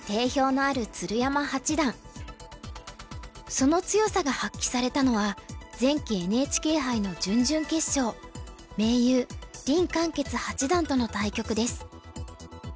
その強さが発揮されたのは前期ＮＨＫ杯の準々決勝盟友林漢傑八段との対局です。